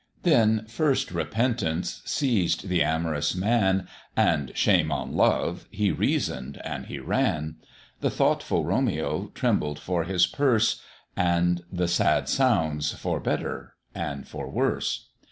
Then first repentance seized the amorous man, And shame on love! he reason'd and he ran; The thoughtful Romeo trembled for his purse, And the sad sounds, "for better and for worse."